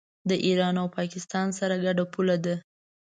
د ایران او پاکستان سره ګډه پوله ده.